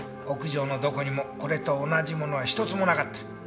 屋上のどこにもこれと同じものは一つもなかった。